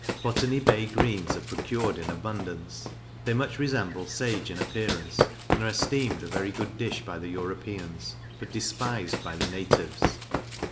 Botany Bay greens are procured in abundance; they much resemble sage in appearance, and are esteemed a very good dish by the Europeans, but despised by the natives.